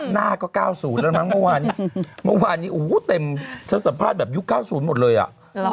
หน้าก็๙๐แล้วนั้นมันวานนี้เต็มฉันสัมภาษณ์แบบยุค๙๐หมดเลยอ่ะ